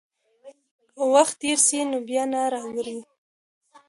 که وخت تېر سي، نو بيا نه راګرځي.